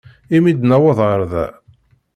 Imi d-newweḍ ɣer da.